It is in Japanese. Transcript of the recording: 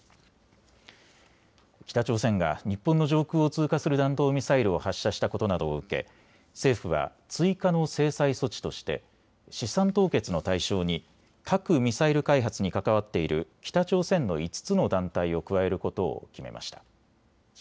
北朝鮮が日本の上空を通過する弾道ミサイルを発射したことなどを受け政府は追加の制裁措置として資産凍結の対象に核・ミサイル開発に関わっている北朝鮮の５つの団体を加えることを決めました。